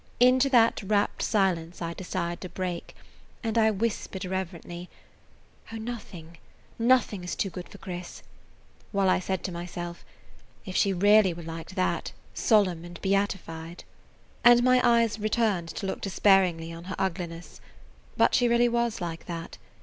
Into that rapt silence I desired to break, and I whispered irrelevantly, "Oh, nothing, nothing is too good for Chris!" while I said to myself, "If she really were like that, solemn and beatified!" and my eyes returned to look despairingly on her ugliness. But she really was like that.